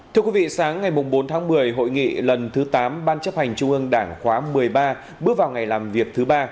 thưa quý vị sáng ngày bốn tháng một mươi hội nghị lần thứ tám ban chấp hành trung ương đảng khóa một mươi ba bước vào ngày làm việc thứ ba